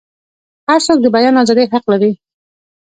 هرڅوک د بیان ازادۍ حق لري.